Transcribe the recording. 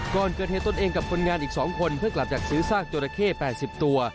ก่อนเกิดเหตุตนเองกับคนงานอีก๒คนเพื่อกลับจากซื้อซากจราเข้๘๐ตัว